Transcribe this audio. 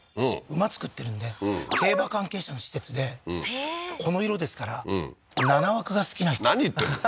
馬作ってるんで競馬関係者の施設でこの色ですから７枠が好きな人何言ってんの？